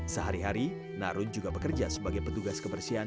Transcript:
sehari hari narun juga bekerja sebagai petugas kebersihan